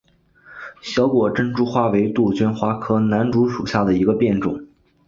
小果珍珠花为杜鹃花科南烛属下的一个变种。